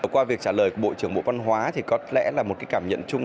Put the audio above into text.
qua việc trả lời của bộ trưởng bộ văn hóa thì có lẽ là một cái cảm nhận chung